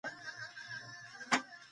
د بدن مدافعت نظام هم د وخت سره تړلی دی.